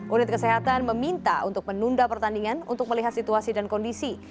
unit kesehatan meminta untuk menunda pertandingan untuk melihat situasi dan kondisi